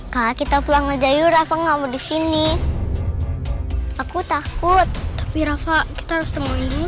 kak kita pulang aja yurafah ngamuk disini aku takut tapi rafa kita harus temuin dulu